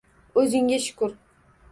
O‘zingga shukr.